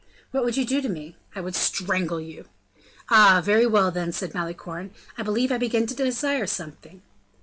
"What would you do to me?" "I would strangle you." "Ah! very well, then," said Malicorne; "I believe I begin to desire something."